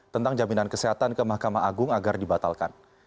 tentang jaminan kesehatan ke mahkamah agung agar dibatalkan